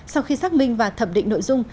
sau khi xác minh và thẩm định nội dung